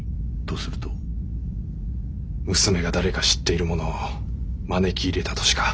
娘が誰か知っている者を招き入れたとしか。